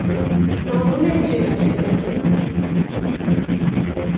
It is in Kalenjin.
Magonech chego teta nenyo